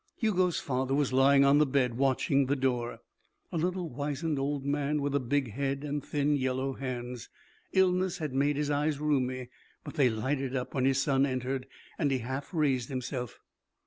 Hugo's father was lying on the bed watching the door. A little wizened old man with a big head and thin yellow hands. Illness had made his eyes rheumy, but they lighted up when his son entered, and he half raised himself.